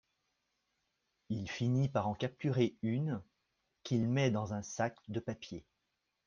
Il finit par en capturer une qu'il met dans un sac de papier.